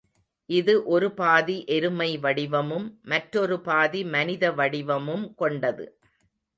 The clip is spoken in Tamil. இது ஒரு பாதி எருமை வடிவமும், மற்றெரு பாதி மனித வடிவமும் கொண்டது.